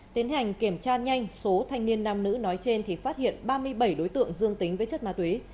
tiến hành kiểm tra nhanh số thanh niên nam nữ nói trên thì phát hiện ba mươi bảy đối tượng dương tính với chất ma túy